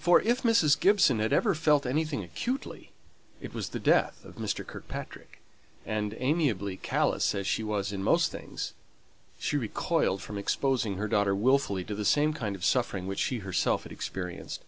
For if Mrs. Gibson had ever felt anything acutely it was the death of Mr. Kirkpatrick; and, amiably callous as she was in most things, she recoiled from exposing her daughter wilfully to the same kind of suffering which she herself had experienced.